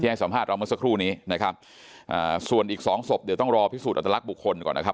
ให้สัมภาษณ์เราเมื่อสักครู่นี้นะครับอ่าส่วนอีกสองศพเดี๋ยวต้องรอพิสูจนอัตลักษณ์บุคคลก่อนนะครับ